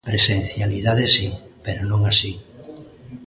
Presencialidade si, pero non así.